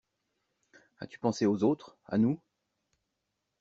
As-tu pensé aux autres, à nous?